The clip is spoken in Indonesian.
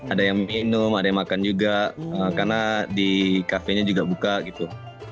ada yang minum ada yang makan juga karena di cafe cafe juga buka gitu